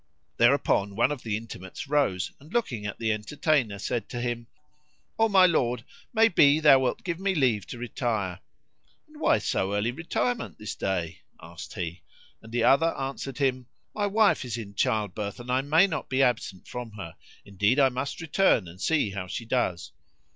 Thereupon one of the intimates rose; and, looking at the entertainer, said to him, "O my lord, may be thou wilt give me leave to retire?" "And why so early retirement this day?"; asked he and the other answered him, "My wife is in childbirth and I may not be absent from her: indeed I must return and see how she does."